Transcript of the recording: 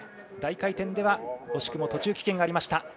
大回転では惜しくも途中棄権となりました。